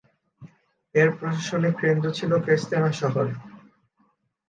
এর প্রশাসনিক কেন্দ্র ছিল ক্রেস্তেনা শহর।